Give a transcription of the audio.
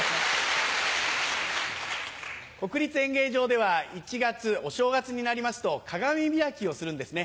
国立演芸場では１月お正月になりますと鏡開きをするんですね。